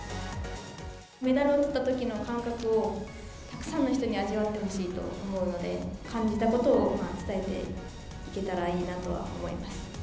メダルをとったときの感覚をたくさんの人に味わってほしいと思うので、感じたことを伝えていけたらいいなとは思います。